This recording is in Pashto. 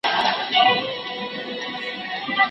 زاهده نن دي وار دی د مستیو، د رقصونو